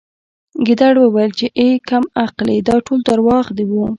ګیدړ وویل چې اې کم عقلې دا ټول درواغ وو